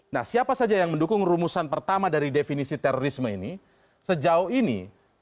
nah siapa saja yang mendukung rumusan pertama dari definisi terorisme ini sejauh ini